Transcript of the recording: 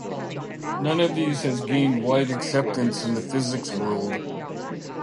None of these has gained wide acceptance in the physics world.